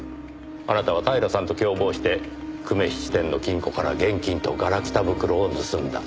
あなたは平さんと共謀して久米質店の金庫から現金とガラクタ袋を盗んだ。